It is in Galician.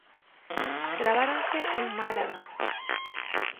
Graváronse en Málaga.